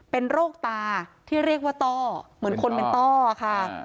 เป็นโรคตาที่เรียกว่าต้อเหมือนคนเป็นต้อค่ะ